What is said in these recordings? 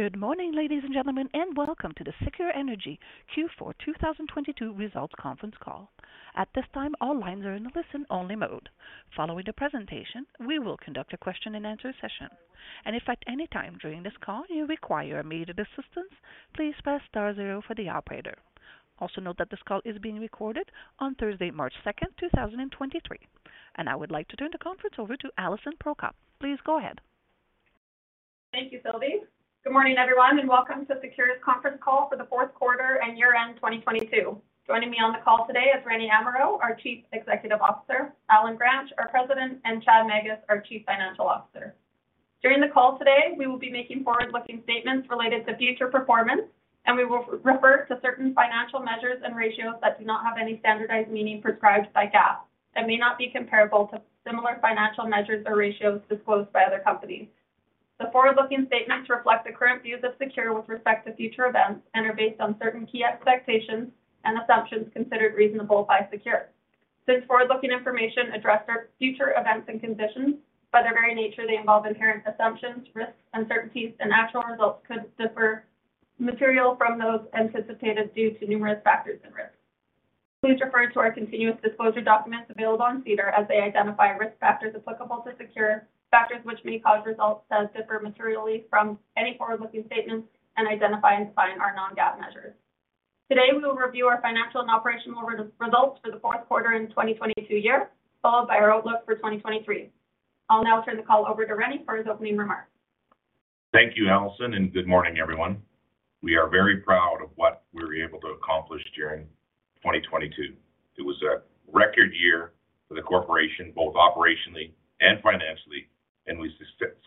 Good morning, ladies and gentlemen, and welcome to the SECURE Energy Q4 2022 Results Conference Call. At this time, all lines are in listen-only mode. Following the presentation, we will conduct a question-and-answer session. If at any time during this call you require immediate assistance, please press star zero for the operator. Also note that this call is being recorded on Thursday, March 2nd, 2023. I would like to turn the conference over to Alison Prokop. Please go ahead. Thank you, Sylvie. Good morning, everyone, welcome to SECURE's conference call for the fourth quarter and year-end 2022. Joining me on the call today is Rene Amirault, our Chief Executive Officer, Allen Gransch, our President, and Chad Magus, our Chief Financial Officer. During the call today, we will be making forward-looking statements related to future performance, and we will refer to certain financial measures and ratios that do not have any standardized meaning prescribed by GAAP that may not be comparable to similar financial measures or ratios disclosed by other companies. The forward-looking statements reflect the current views of SECURE with respect to future events and are based on certain key expectations and assumptions considered reasonable by SECURE. Since forward-looking information address our future events and conditions, by their very nature, they involve inherent assumptions, risks, uncertainties, and actual results could differ materially from those anticipated due to numerous factors and risks. Please refer to our continuous disclosure documents available on SEDAR as they identify risk factors applicable to SECURE, factors which may cause results to differ materially from any forward-looking statements and identify and define our non-GAAP measures. Today, we will review our financial and operational results for the fourth quarter in 2022 year, followed by our outlook for 2023. I'll now turn the call over to Rene for his opening remarks. Thank you, Alison. Good morning, everyone. We are very proud of what we were able to accomplish during 2022. It was a record year for the corporation, both operationally and financially. We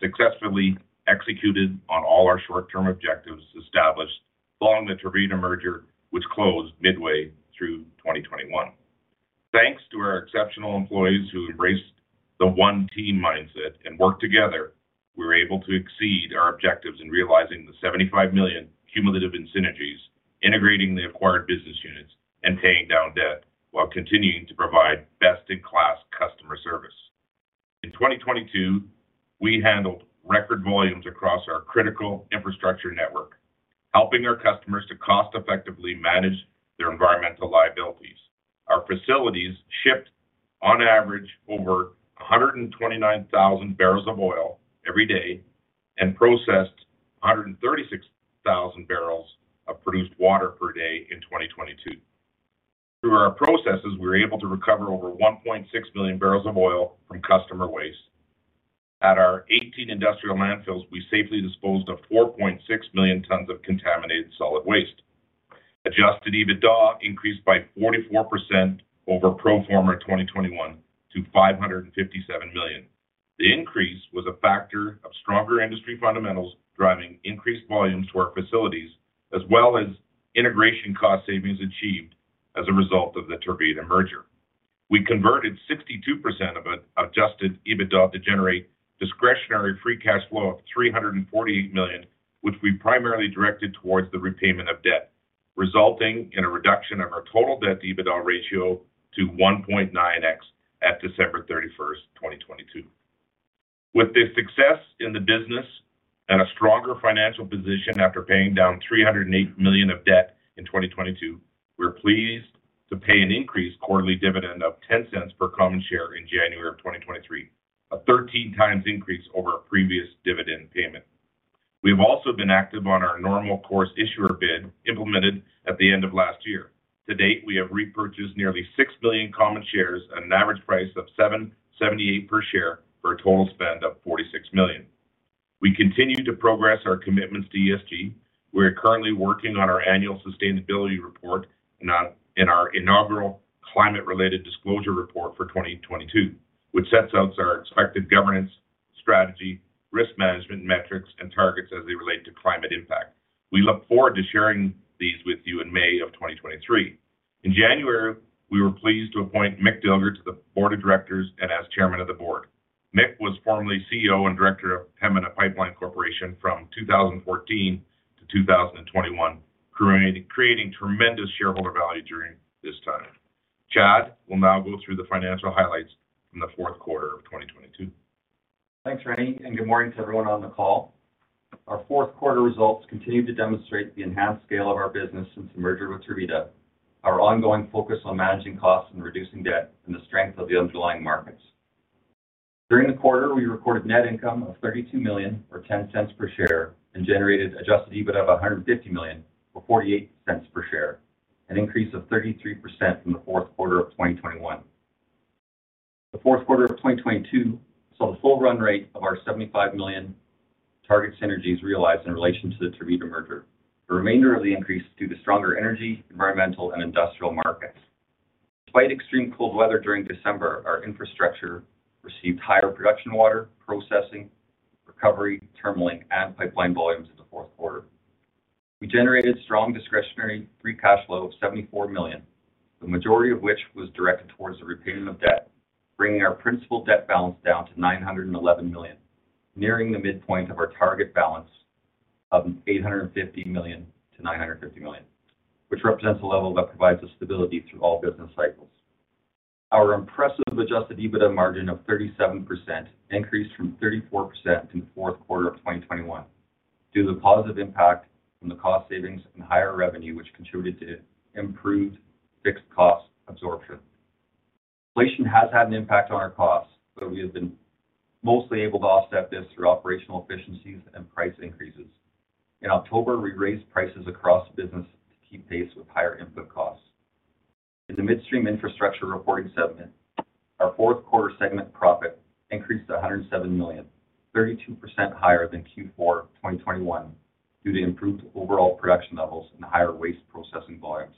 successfully executed on all our short-term objectives established following the Tervita merger, which closed midway through 2021. Thanks to our exceptional employees who embraced the one team mindset and worked together, we were able to exceed our objectives in realizing the 75 million cumulative in synergies, integrating the acquired business units and paying down debt while continuing to provide best-in-class customer service. In 2022, we handled record volumes across our critical infrastructure network, helping our customers to cost-effectively manage their environmental liabilities. Our facilities shipped on average over 129,000 barrels of oil every day and processed 136,000 barrels of produced water per day in 2022. Through our processes, we were able to recover over 1.6 million barrels of oil from customer waste. At our 18 industrial landfills, we safely disposed of 4.6 million tons of contaminated solid waste. Adjusted EBITDA increased by 44% over pro forma 2021 to 557 million. The increase was a factor of stronger industry fundamentals, driving increased volumes to our facilities, as well as integration cost savings achieved as a result of the Tervita merger. We converted 62% of it, adjusted EBITDA to generate discretionary free cash flow of 348 million, which we primarily directed towards the repayment of debt, resulting in a reduction of our total debt to EBITDA ratio to 1.9x at December 31st, 2022. With the success in the business and a stronger financial position after paying down 308 million of debt in 2022, we're pleased to pay an increased quarterly dividend of 0.10 per common share in January of 2023, a 13x increase over our previous dividend payment. We have also been active on our normal course issuer bid, implemented at the end of last year. To date, we have repurchased nearly 6 million common shares at an average price of 7.78 per share for a total spend of 46 million. We continue to progress our commitments to ESG. We are currently working on our annual sustainability report in our inaugural climate-related disclosure report for 2022, which sets out our expected governance, strategy, risk management metrics, and targets as they relate to climate impact. We look forward to sharing these with you in May of 2023. In January, we were pleased to appoint Mick Dilger to the Board of Directors and as Chairman of the Board. Mick was formerly CEO and director of Pembina Pipeline Corporation from 2014 to 2021, creating tremendous shareholder value during this time. Chad will now go through the financial highlights from the fourth quarter of 2022. Thanks, Rene, and good morning to everyone on the call. Our fourth quarter results continue to demonstrate the enhanced scale of our business since the merger with Tervita, our ongoing focus on managing costs and reducing debt, and the strength of the underlying markets. During the quarter, we recorded net income of 32 million, or 0.10 per share, and generated adjusted EBITDA of 150 million, or 0.48 per share, an increase of 33% from the fourth quarter of 2021. The fourth quarter of 2022 saw the full run rate of our 75 million target synergies realized in relation to the Tervita merger. The remainder of the increase is due to stronger energy, environmental, and industrial markets. Despite extreme cold weather during December, our infrastructure received higher production water, processing, recovery, terminalling, and pipeline volumes in the fourth quarter. We generated strong discretionary free cash flow of 74 million, the majority of which was directed towards the repayment of debt, bringing our principal debt balance down to 911 million, nearing the midpoint of our target balance of 850 million-950 million, which represents a level that provides us stability through all business cycles. Our impressive adjusted EBITDA margin of 37% increased from 34% in the fourth quarter of 2021 due to the positive impact from the cost savings and higher revenue which contributed to improved fixed cost absorption. Inflation has had an impact on our costs, but we have been mostly able to offset this through operational efficiencies and price increases. In October, we raised prices across the business to keep pace with higher input costs. In the Midstream Infrastructure reporting segment, our fourth quarter segment profit increased to 107 million, 32% higher than Q4 of 2021 due to improved overall production levels and higher waste processing volumes.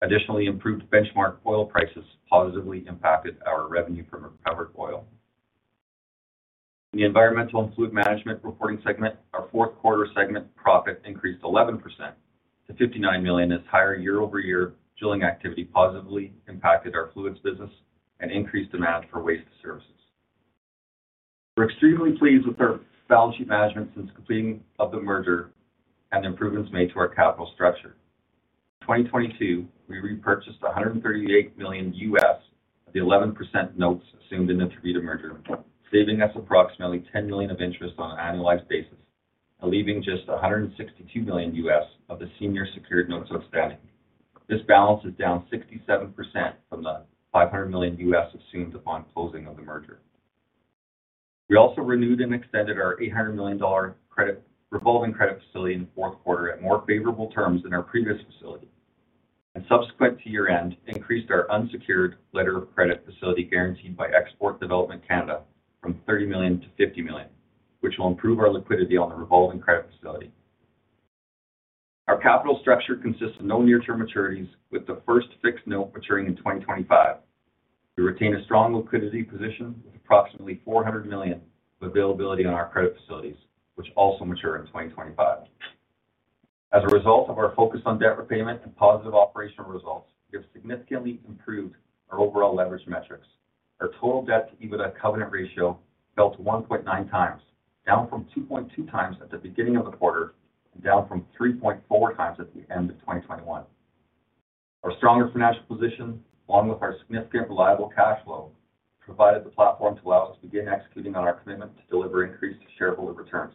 Additionally, improved benchmark oil prices positively impacted our revenue from recovered oil. In the Environmental and Fluid Management reporting segment, our fourth quarter segment profit increased 11% to 59 million as higher year-over-year drilling activity positively impacted our fluids business and increased demand for waste services. We're extremely pleased with our balance sheet management since completing of the merger and the improvements made to our capital structure. In 2022, we repurchased $138 million of the 11% notes assumed in the Tervita merger, saving us approximately $10 million of interest on an annualized basis and leaving just $162 million of the senior secured notes outstanding. This balance is down 67% from the $500 million assumed upon closing of the merger. We also renewed and extended our $800 million revolving credit facility in the fourth quarter at more favorable terms than our previous facility, and subsequent to year-end, increased our unsecured letter of credit facility guaranteed by Export Development Canada from 30 million to 50 million, which will improve our liquidity on the revolving credit facility. Our capital structure consists of no near-term maturities, with the first fixed note maturing in 2025. We retain a strong liquidity position with approximately 400 million of availability on our credit facilities, which also mature in 2025. As a result of our focus on debt repayment and positive operational results, we have significantly improved our overall leverage metrics. Our total debt to EBITDA covenant ratio fell to 1.x, down from 2.2x at the beginning of the quarter and down from 3.4x at the end of 2021. Our stronger financial position, along with our significant reliable cash flow, provided the platform to allow us to begin executing on our commitment to deliver increased shareholder returns,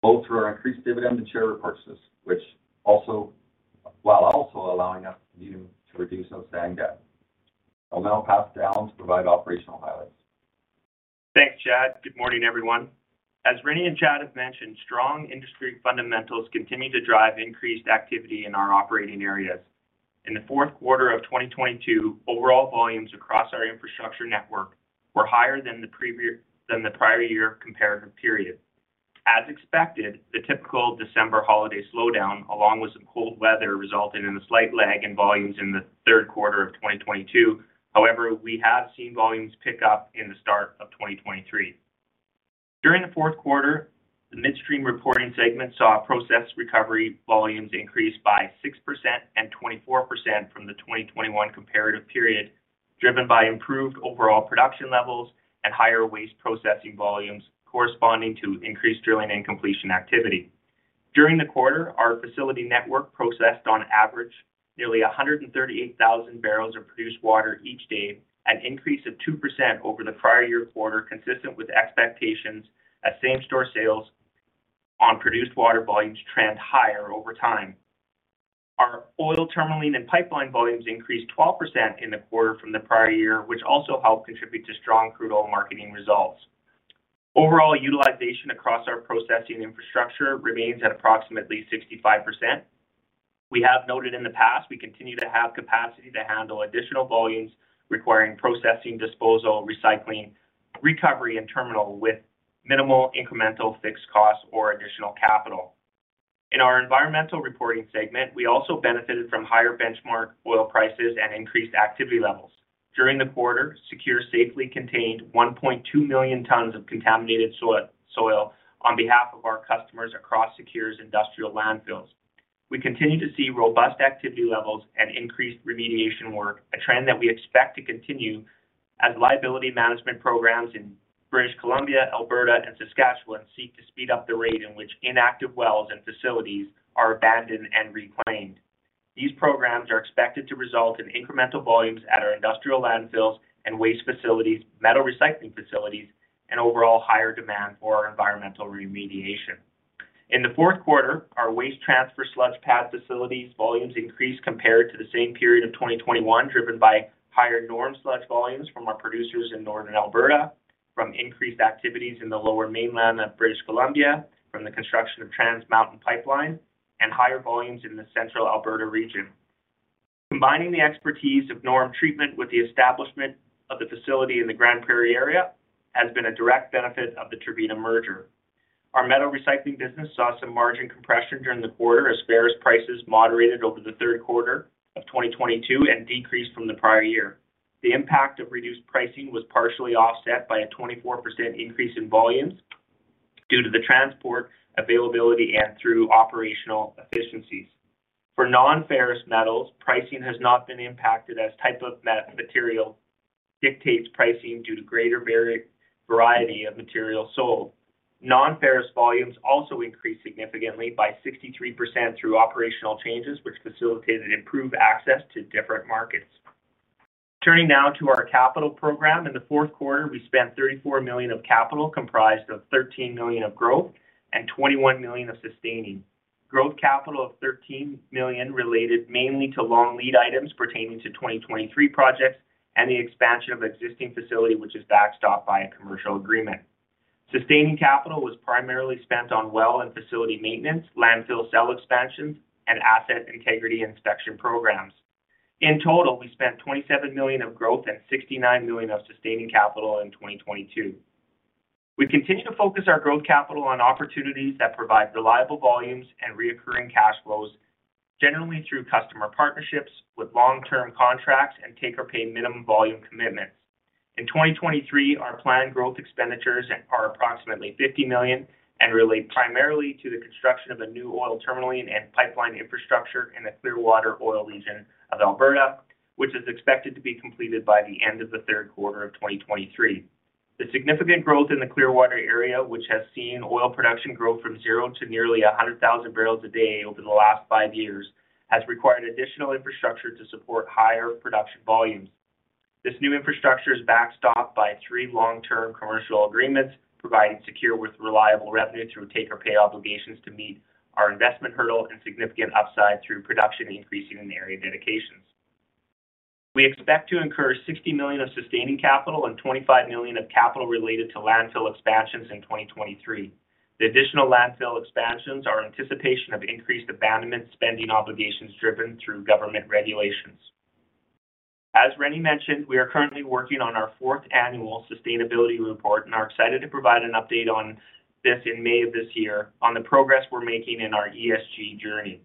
both through our increased dividend and share repurchases, while also allowing us to continue to reduce outstanding debt. I'll now pass it to Allen to provide operational highlights. Thanks, Chad. Good morning, everyone. As Rene and Chad have mentioned, strong industry fundamentals continue to drive increased activity in our operating areas. In the fourth quarter of 2022, overall volumes across our infrastructure network were higher than the prior year comparative period. As expected, the typical December holiday slowdown, along with some cold weather, resulted in a slight lag in volumes in the third quarter of 2022. We have seen volumes pick up in the start of 2023. During the fourth quarter, the Midstream reporting segment saw process recovery volumes increase by 6% and 24% from the 2021 comparative period, driven by improved overall production levels and higher waste processing volumes corresponding to increased drilling and completion activity. During the quarter, our facility network processed on average nearly 138,000 barrels of produced water each day, an increase of 2% over the prior year quarter, consistent with expectations as same-store sales on produced water volumes trend higher over time. Our oil terminaling and pipeline volumes increased 12% in the quarter from the prior year, which also helped contribute to strong crude oil marketing results. Overall utilization across our processing infrastructure remains at approximately 65%. We have noted in the past, we continue to have capacity to handle additional volumes requiring processing, disposal, recycling, recovery, and terminal with minimal incremental fixed costs or additional capital. In our Environmental reporting segment, we also benefited from higher benchmark oil prices and increased activity levels. During the quarter, SECURE safely contained 1.2 million tons of contaminated soil on behalf of our customers across SECURE's industrial landfills. We continue to see robust activity levels and increased remediation work, a trend that we expect to continue as liability management programs in British Columbia, Alberta, and Saskatchewan seek to speed up the rate in which inactive wells and facilities are abandoned and reclaimed. These programs are expected to result in incremental volumes at our industrial landfills and waste facilities, metal recycling facilities, and overall higher demand for our Environmental remediation. In the fourth quarter, our waste transfer sludge pad facilities volumes increased compared to the same period of 2021, driven by higher NORM sludge volumes from our producers in northern Alberta, from increased activities in the lower mainland of British Columbia, from the construction of Trans Mountain pipeline, and higher volumes in the central Alberta region. Combining the expertise of NORM treatment with the establishment of the facility in the Grande Prairie area has been a direct benefit of the Tervita merger. Our metal recycling business saw some margin compression during the quarter as ferrous prices moderated over the third quarter of 2022 and decreased from the prior year. The impact of reduced pricing was partially offset by a 24% increase in volumes due to the transport availability and through operational efficiencies. For non-ferrous metals, pricing has not been impacted as type of material dictates pricing due to greater variety of material sold. Non-ferrous volumes also increased significantly by 63% through operational changes, which facilitated improved access to different markets. Turning now to our capital program. In the fourth quarter, we spent 34 million of capital, comprised of 13 million of growth and 21 million of sustaining. Growth capital of 13 million related mainly to long lead items pertaining to 2023 projects and the expansion of existing facility, which is backstopped by a commercial agreement. Sustaining capital was primarily spent on well and facility maintenance, landfill cell expansions, and asset integrity inspection programs. In total, we spent 27 million of growth and 69 million of sustaining capital in 2022. We continue to focus our growth capital on opportunities that provide reliable volumes and reoccurring cash flows, generally through customer partnerships with long-term contracts and take-or-pay minimum volume commitments. In 2023, our planned growth expenditures are approximately 50 million and relate primarily to the construction of a new oil terminal and pipeline infrastructure in the Clearwater Oil region of Alberta, which is expected to be completed by the end of the third quarter of 2023. The significant growth in the Clearwater area, which has seen oil production grow from zero to nearly 100,000 barrels a day over the last five years, has required additional infrastructure to support higher production volumes. This new infrastructure is backstopped by three long-term commercial agreements, providing SECURE with reliable revenue through take-or-pay obligations to meet our investment hurdle and significant upside through production increasing in the area of indications. We expect to incur 60 million of sustaining capital and 25 million of capital related to landfill expansions in 2023. The additional landfill expansions are anticipation of increased abandonment spending obligations driven through government regulations. As Rene mentioned, we are currently working on our fourth annual sustainability report and are excited to provide an update on this in May of this year on the progress we're making in our ESG journey.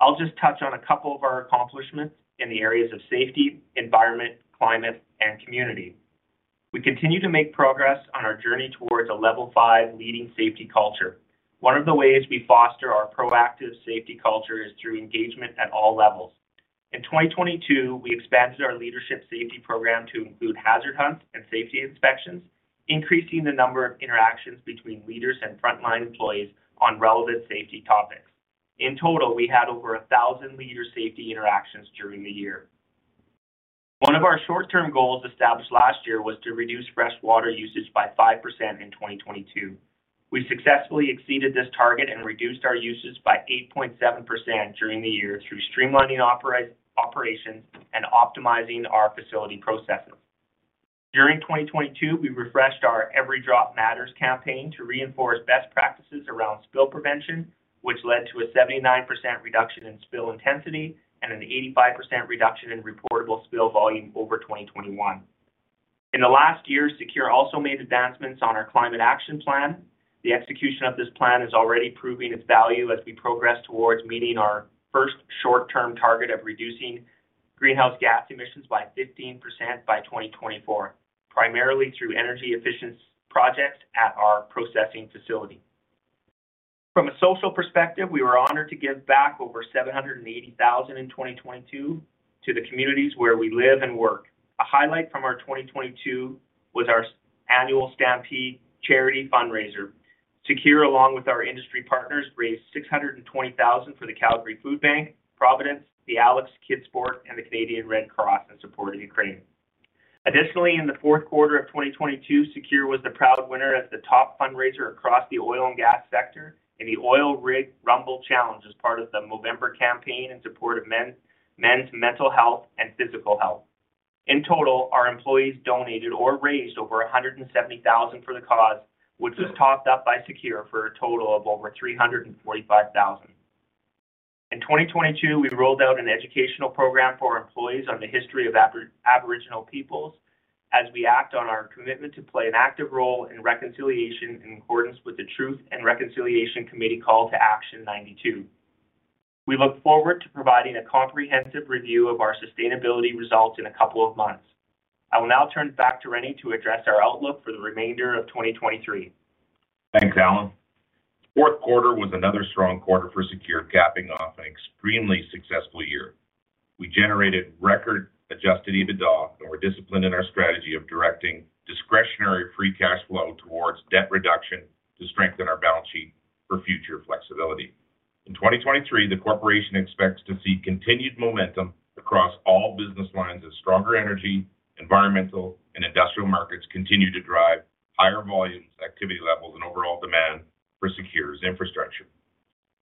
I'll just touch on a couple of our accomplishments in the areas of safety, environment, climate, and community. We continue to make progress on our journey towards a level five leading safety culture. One of the ways we foster our proactive safety culture is through engagement at all levels. In 2022, we expanded our leadership safety program to include hazard hunt and safety inspections, increasing the number of interactions between leaders and frontline employees on relevant safety topics. In total, we had over 1,000 leader safety interactions during the year. One of our short-term goals established last year was to reduce fresh water usage by 5% in 2022. We successfully exceeded this target and reduced our usage by 8.7% during the year through streamlining operations and optimizing our facility processes. During 2022, we refreshed our Every Drop Matters campaign to reinforce best practices around spill prevention, which led to a 79% reduction in spill intensity and an 85% reduction in reportable spill volume over 2021. In the last year, SECURE also made advancements on our climate action plan. The execution of this plan is already proving its value as we progress towards meeting our first short-term target of reducing greenhouse gas emissions by 15% by 2024, primarily through energy efficiency projects at our processing facility. From a social perspective, we were honored to give back over 780,000 in 2022 to the communities where we live and work. A highlight from our 2022 was our annual Stampede Charity fundraiser. SECURE, along with our industry partners, raised 620,000 for the Calgary Food Bank, Providence, The Alex, KidSport, and the Canadian Red Cross in support of Ukraine. In the fourth quarter of 2022, SECURE was the proud winner as the top fundraiser across the oil and gas sector in the Oil Rig Rumble challenge as part of the Movember campaign in support of men's mental health and physical health. Our employees donated or raised over 170,000 for the cause, which was topped up by SECURE for a total of over 345,000. In 2022, we rolled out an educational program for our employees on the history of Aboriginal peoples as we act on our commitment to play an active role in reconciliation in accordance with the Truth and Reconciliation Commission Call to Action 92. We look forward to providing a comprehensive review of our sustainability results in a couple of months. I will now turn it back to Rene to address our outlook for the remainder of 2023. Thanks, Allen. Fourth quarter was another strong quarter for SECURE, capping off an extremely successful year. We generated record adjusted EBITDA and were disciplined in our strategy of directing discretionary free cash flow towards debt reduction to strengthen our balance sheet for future flexibility. In 2023, the corporation expects to see continued momentum across all business lines as stronger energy, environmental, and industrial markets continue to drive higher volumes, activity levels, and overall demand for SECURE's infrastructure.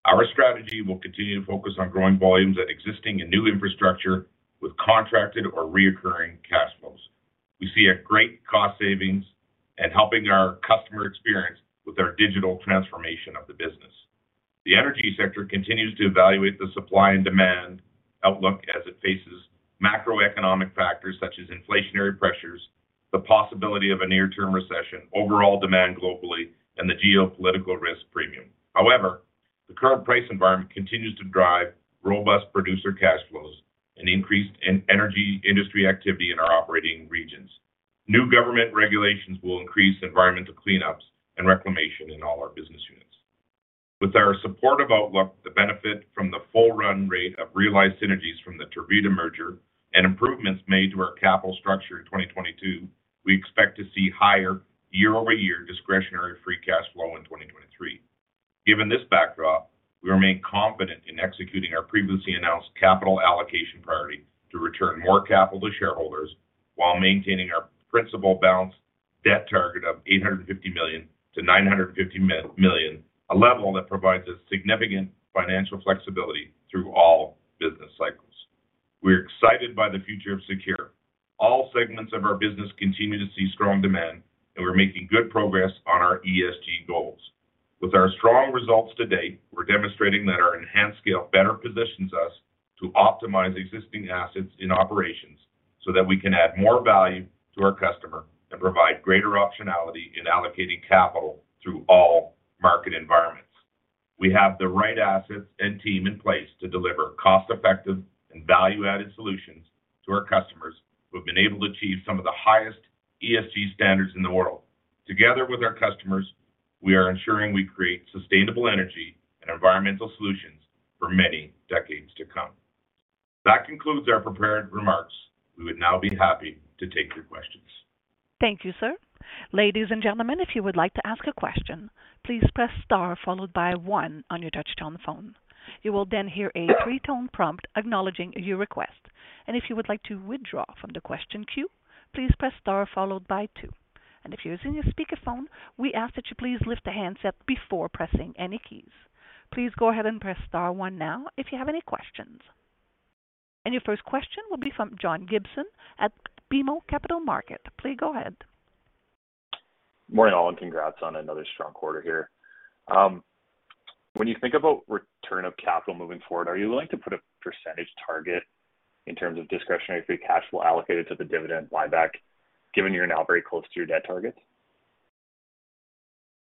Our strategy will continue to focus on growing volumes at existing and new infrastructure with contracted or reoccurring cash flows. We see a great cost savings and helping our customer experience with our digital transformation of the business. The energy sector continues to evaluate the supply and demand outlook as it faces macroeconomic factors such as inflationary pressures, the possibility of a near-term recession, overall demand globally, and the geopolitical risk premium. The current price environment continues to drive robust producer cash flows and increased energy industry activity in our operating regions. New government regulations will increase environmental cleanups and reclamation in all our business units. With our supportive outlook, the benefit from the full run rate of realized synergies from the Tervita merger and improvements made to our capital structure in 2022, we expect to see higher year-over-year discretionary free cash flow in 2023. Given this backdrop, we remain confident in executing our previously announced capital allocation priority to return more capital to shareholders while maintaining our principal balanced debt target of 850 million-950 million, a level that provides us significant financial flexibility through all business cycles. We're excited by the future of SECURE. All segments of our business continue to see strong demand, and we're making good progress on our ESG goals. With our strong results to date, we're demonstrating that our enhanced scale better positions us to optimize existing assets in operations so that we can add more value to our customer and provide greater optionality in allocating capital through all market environments. We have the right assets and team in place to deliver cost-effective and value-added solutions to our customers who have been able to achieve some of the highest ESG standards in the world. Together with our customers, we are ensuring we create sustainable energy and environmental solutions for many decades to come. That concludes our prepared remarks. We would now be happy to take your questions. Thank you, sir. Ladies and gentlemen, if you would like to ask a question, please press star followed by one on your touchtone phone. You will then hear a three-tone prompt acknowledging your request. If you would like to withdraw from the question queue, please press star followed by two. If you're using your speakerphone, we ask that you please lift the handset before pressing any keys. Please go ahead and press star one now if you have any questions. Your first question will be from John Gibson at BMO Capital Markets. Please go ahead. Morning, all, congrats on another strong quarter here. When you think about return of capital moving forward, are you willing to put a percentage target in terms of discretionary free cash flow allocated to the dividend buyback given you're now very close to your debt target?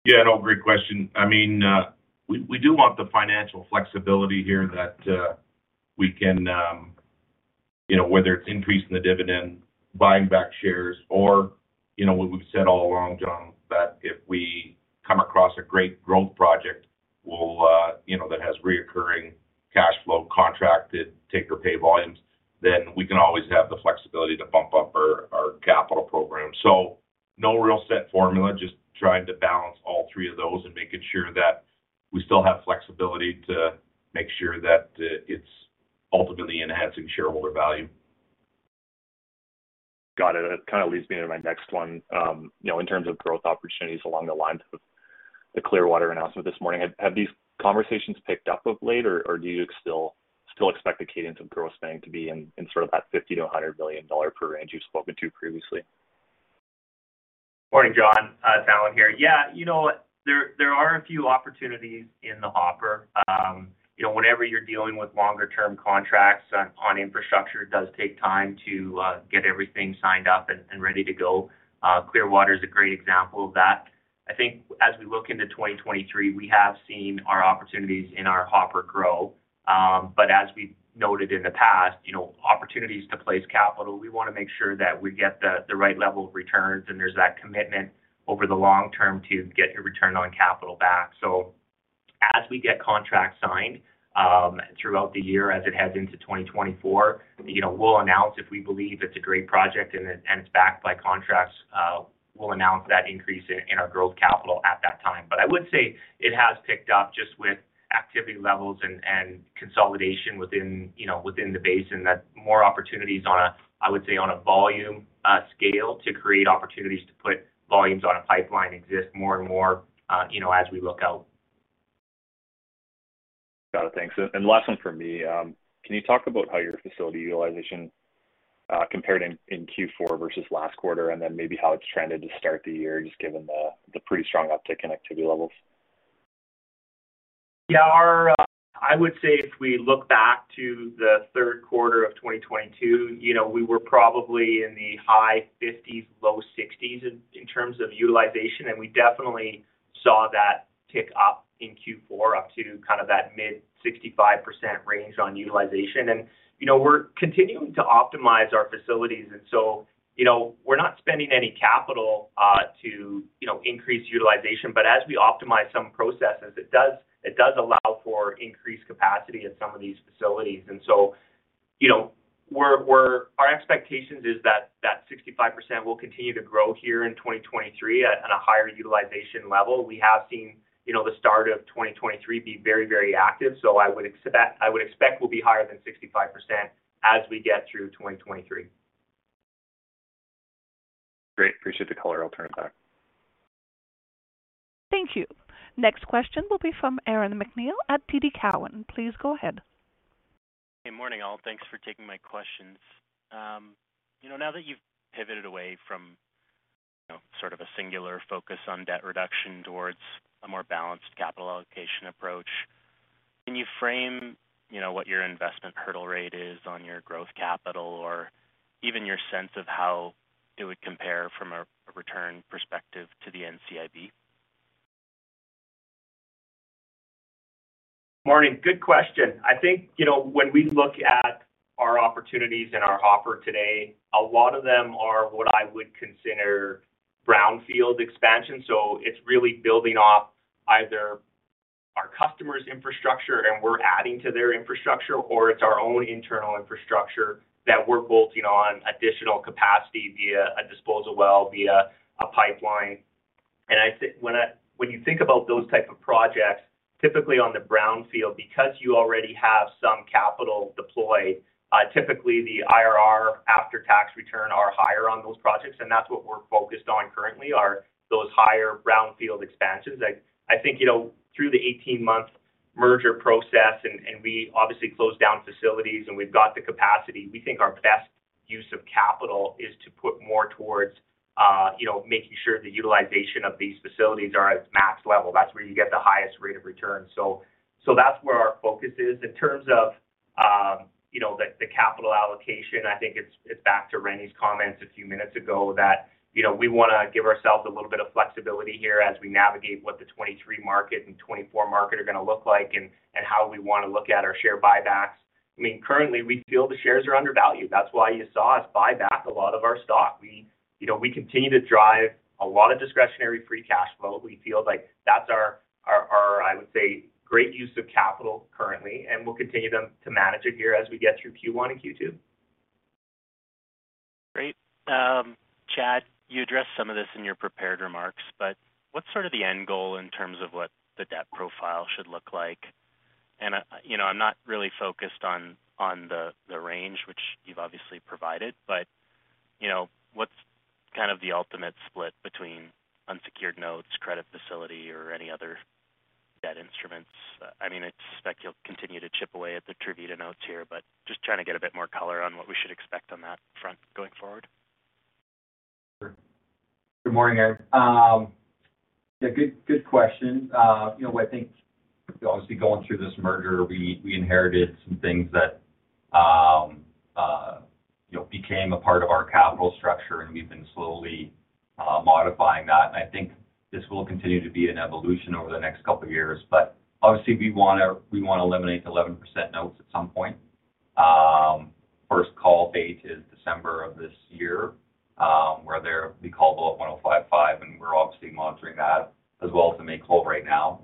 Yeah, no, great question. I mean, we do want the financial flexibility here that we can, you know, whether it's increasing the dividend, buying back shares or, you know, what we've said all along, John, that if we come across a great growth project, we'll, you know, that has recurring cash flow contracted take-or-pay volumes, then we can always have the flexibility to bump up our capital program. No real set formula, just trying to balance all three of those and making sure that we still have flexibility to make sure that it's ultimately enhancing shareholder value. Got it. That kind of leads me to my next one. you know, in terms of growth opportunities along the lines of the Clearwater announcement this morning, have these conversations picked up of late, or do you still expect the cadence of growth spending to be in sort of that 50 billion-100 billion dollar per range you've spoken to previously? Morning, John. Allen here. Yeah. You know what? There are a few opportunities in the hopper. You know, whenever you're dealing with longer term contracts on infrastructure, it does take time to get everything signed up and ready to go. Clearwater is a great example of that. I think as we look into 2023, we have seen our opportunities in our hopper grow. As we've noted in the past, you know, opportunities to place capital, we wanna make sure that we get the right level of returns and there's that commitment over the long term to get your return on capital back. As we get contracts signed, as it heads into 2024, you know, we'll announce if we believe it's a great project and it, and it's backed by contracts, we'll announce that increase in our growth capital at that time. I would say it has picked up just with activity levels and consolidation within, you know, within the basin that more opportunities on a, I would say on a volume, scale to create opportunities to put volumes on a pipeline exist more and more, you know, as we look out. Got it. Thanks. Last one from me. Can you talk about how your facility utilization compared in Q4 versus last quarter and then maybe how it's trended to start the year just given the pretty strong uptick in activity levels? Yeah. I would say if we look back to the third quarter of 2022, you know, we were probably in the high 50s, low 60s in terms of utilization. We definitely saw that tick up in Q4 up to kind of that mid 65% range on utilization. You know, we're continuing to optimize our facilities. You know, we're not spending any capital to, you know, increase utilization, but as we optimize some processes, it does allow for increased capacity at some of these facilities. You know, our expectations is that that 65% will continue to grow here in 2023 at a higher utilization level. We have seen, you know, the start of 2023 be very, very active. I would expect we'll be higher than 65% as we get through 2023. Great. Appreciate the color. I'll turn it back. Thank you. Next question will be from Aaron MacNeil at TD Cowen. Please go ahead. Hey. Morning all. Thanks for taking my questions. You know, now that you've pivoted away from, you know, sort of a singular focus on debt reduction towards a more balanced capital allocation approach, can you frame, you know, what your investment hurdle rate is on your growth capital or even your sense of how it would compare from a return perspective to the NCIB? Morning. Good question. I think, you know, when we look at our opportunities and our offer today, a lot of them are what I would consider brownfield expansion. It's really building off either our customer's infrastructure, and we're adding to their infrastructure, or it's our own internal infrastructure that we're bolting on additional capacity via a disposal well, via a pipeline. I think when you think about those type of projects, typically on the brownfield, because you already have some capital deployed, typically the IRR after-tax return are higher on those projects, and that's what we're focused on currently are those higher brownfield expansions. I think, you know, through the 18-month merger process and we obviously closed down facilities and we've got the capacity. We think our best use of capital is to put more towards, you know, making sure the utilization of these facilities are at max level. That's where you get the highest rate of return. That's where our focus is. In terms of, you know, the capital allocation, I think it's back to Rene's comments a few minutes ago that, you know, we wanna give ourselves a little bit of flexibility here as we navigate what the 2023 market and 2024 market are gonna look like and how we wanna look at our share buybacks. I mean, currently, we feel the shares are undervalued. That's why you saw us buy back a lot of our stock. We, you know, we continue to drive a lot of discretionary free cash flow. We feel like that's our, I would say, great use of capital currently, and we'll continue to manage it here as we get through Q1 and Q2. Great. Chad, you addressed some of this in your prepared remarks, but what's sort of the end goal in terms of what the debt profile should look like? I, you know, I'm not really focused on the range, which you've obviously provided, but, you know, what's kind of the ultimate split between unsecured notes, credit facility, or any other debt instruments? I mean, I expect you'll continue to chip away at the Tervita notes here, but just trying to get a bit more color on what we should expect on that front going forward. Sure. Good morning, Aaron. Yeah, good question. You know, I think obviously going through this merger, we inherited some things that, you know, became a part of our capital structure, and we've been slowly modifying that. I think this will continue to be an evolution over the next couple of years. Obviously, we wanna eliminate the 11% notes at some point. First call date is December of this year, where we call below 105.5, and we're obviously monitoring that as well as the May call right now.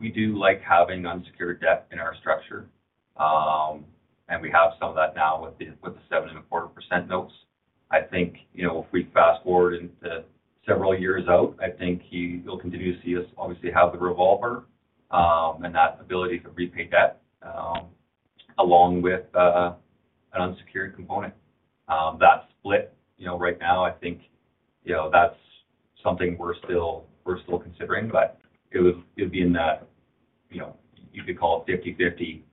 We do like having unsecured debt in our structure, and we have some of that now with the 7.25% notes. I think, you know, if we fast-forward into several years out, I think you'll continue to see us obviously have the revolver, and that ability to repay debt, along with an unsecured component. That split, you know, right now, I think, you know, that's something we're still considering, but it would be in that, you know, you could call it 50/50,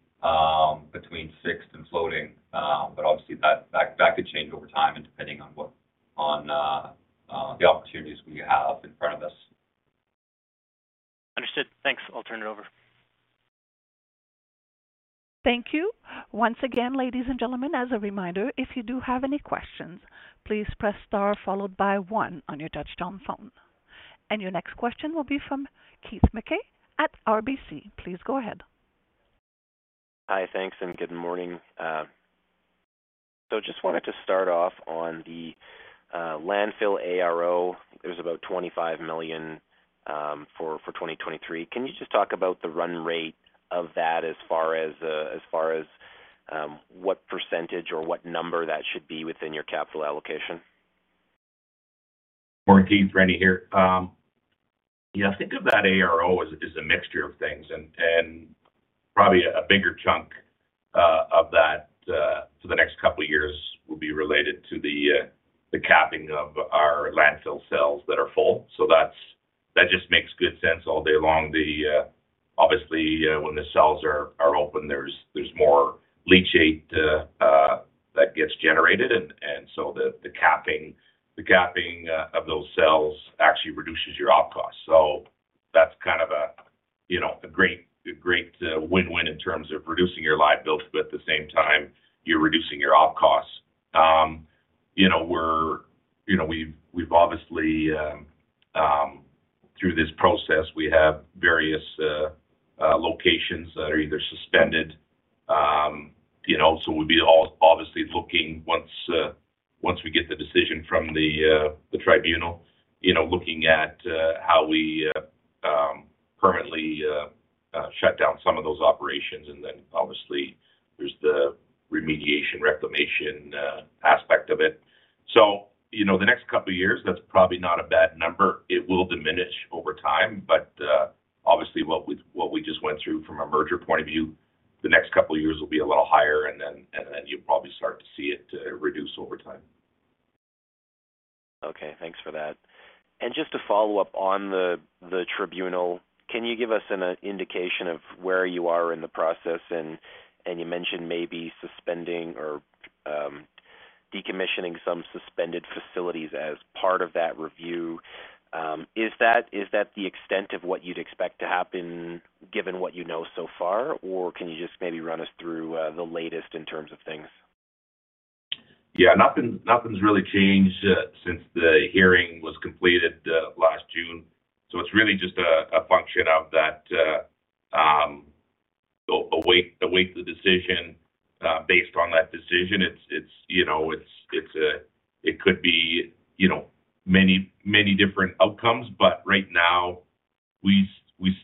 between fixed and floating. Obviously that could change over time and depending on the opportunities we have in front of us. Understood. Thanks. I'll turn it over. Thank you. Once again, ladies and gentlemen, as a reminder, if you do have any questions, please press star followed by one on your touch-tone phone. Your next question will be from Keith Mackey at RBC. Please go ahead. Hi. Thanks. Good morning. Just wanted to start off on the landfill ARO. There's about 25 million for 2023. Can you just talk about the run rate of that as far as what % or what number that should be within your capital allocation? Morning, Keith. Rene here. Yeah, think of that ARO as a mixture of things and probably a bigger chunk of that for the next couple of years will be related to the capping of our landfill cells that are full. That just makes good sense all day long. Obviously, when the cells are open, there's more leachate that gets generated and so the capping of those cells actually reduces your op costs. That's kind of a, you know, a great win-win in terms of reducing your liabilities, but at the same time, you're reducing your op costs. You know, we've obviously through this process, we have various locations that are either suspended. You know, we'll be obviously looking once we get the decision from the Competition Tribunal, you know, looking at how we permanently shut down some of those operations. Obviously, there's the remediation, reclamation aspect of it. You know, the next couple of years, that's probably not a bad number. It will diminish over time, obviously, what we just went through from a merger point of view, the next couple of years will be a little higher and then you'll probably start to see it reduce over time. Okay. Thanks for that. Just to follow up on the Tribunal, can you give us an indication of where you are in the process? You mentioned maybe suspending or decommissioning some suspended facilities as part of that review. Is that the extent of what you'd expect to happen given what you know so far? Can you just maybe run us through the latest in terms of things? Yeah, nothing's really changed since the hearing was completed last June. it's really just a function of that, await the decision. Based on that decision, it's, you know, it could be, you know, many, many different outcomes. Right now, we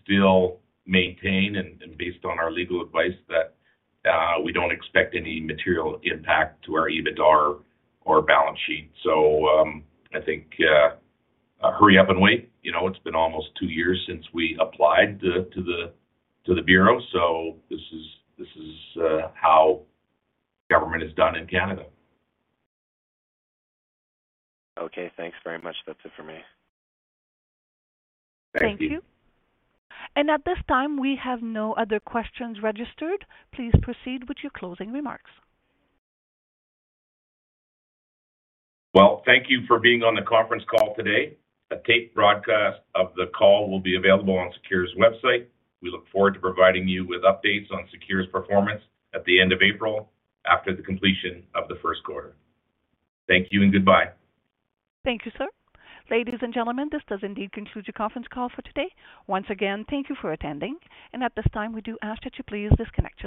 still maintain and, based on our legal advice that, we don't expect any material impact to our EBITDA or balance sheet. I think, hurry up and wait. You know, it's been almost two years since we applied to the Bureau, this is how government is done in Canada. Okay. Thanks very much. That's it for me. Thanks, Keith. Thank you. At this time, we have no other questions registered. Please proceed with your closing remarks. Well, thank you for being on the conference call today. A taped broadcast of the call will be available on SECURE's website. We look forward to providing you with updates on SECURE's performance at the end of April after the completion of the first quarter. Thank you and goodbye. Thank you, sir. Ladies and gentlemen, this does indeed conclude your conference call for today. Once again, thank you for attending. At this time, we do ask that you please disconnect your lines.